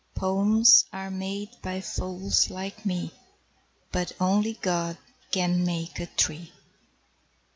Poems are made by fools like me, But only God can make a tree.